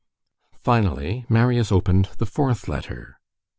Finally, Marius opened the fourth letter.